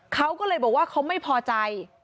เขาก็เลยบอกว่าเขาไม่พอใจ